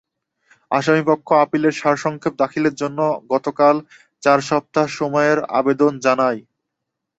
আসামিপক্ষ আপিলের সারসংক্ষেপ দাখিলের জন্য গতকাল চার সপ্তাহ সময়ের আবেদন জানায়।